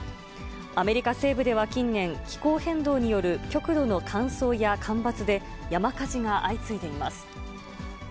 アメリカ西部では近年、気候変動による極度の乾燥や干ばつで山火事が相次いでいます。